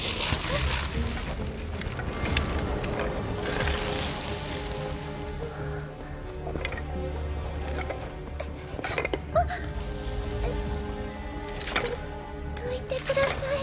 えっどどいてください。